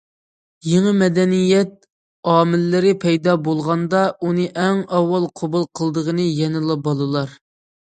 يېڭى مەدەنىيەت ئامىللىرى پەيدا بولغاندا، ئۇنى ئەڭ ئاۋۋال قوبۇل قىلىدىغىنى يەنىلا بالىلار.